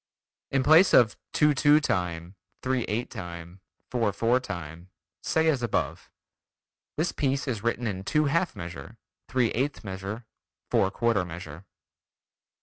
In place of: "two two time, three eight time, four four time," say as above: "This piece is written in two half measure, three eighth measure, four quarter measure."